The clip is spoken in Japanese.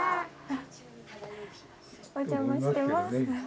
お邪魔してます。